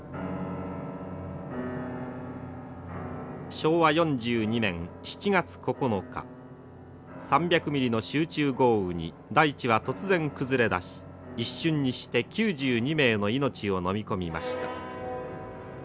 昭和４２年７月９日３００ミリの集中豪雨に大地は突然崩れだし一瞬にして９２名の命を飲み込みました。